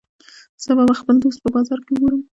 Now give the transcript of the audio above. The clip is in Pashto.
سبا به خپل دوست په بازار کی وګورم